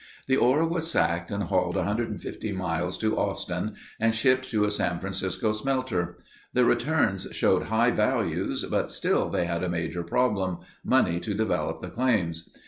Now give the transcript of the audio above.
The ore was sacked and hauled 150 miles to Austin and shipped to a San Francisco smelter. The returns showed high values but still they had a major problem—money to develop the claims.